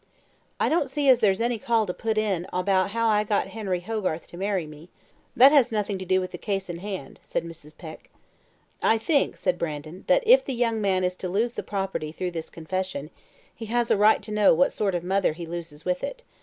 "I don't see as there's any call to put in all about how I got Harry Hogarth to marry me; that has nothing to do with the case in hand," said Mrs. Peck. "I think," said Brandon, "that if the young man is to lose the property through this confession, he has a right to know what sort of mother he loses with it.